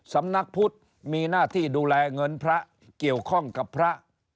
สำนักพุทธมีหน้าที่ดูแลเงินพระเกี่ยวข้องกับพระ